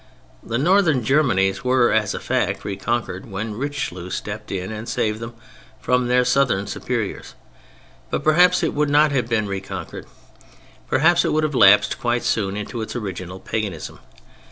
The Northern Germanies were, as a fact, reconquered when Richelieu stepped in and saved them from their Southern superiors. But perhaps it would not have been reconquered. Perhaps it would have lapsed quite soon into its original paganism.